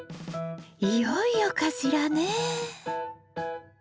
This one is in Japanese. いよいよかしらね？